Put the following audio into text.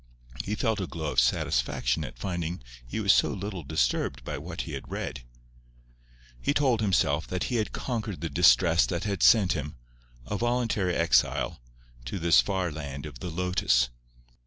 He felt a glow of satisfaction at finding he was so little disturbed by what he had read. He told himself that he had conquered the distress that had sent him, a voluntary exile, to this far land of the lotus.